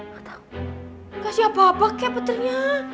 gak siapa apa kek petirnya